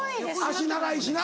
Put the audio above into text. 脚長いしな。